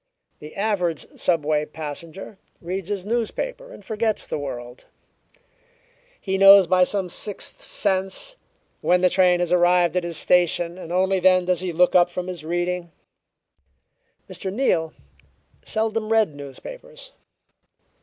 The average subway passenger reads his newspaper and forgets the world; he knows by some sixth sense when the train has arrived at his station, and only then does he look up from his reading. Mr. Neal seldom read newspapers.